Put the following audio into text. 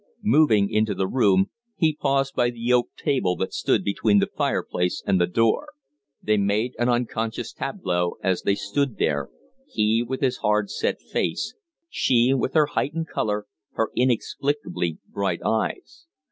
Moving into the room, he paused by the oak table that stood between the fireplace and the door. They made an unconscious tableau as they stood there he with his hard, set face, she with her heightened color, her inexplicably bright eyes.